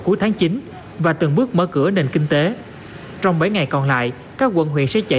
cuối tháng chín và từng bước mở cửa nền kinh tế trong bảy ngày còn lại các quận huyện sẽ chạy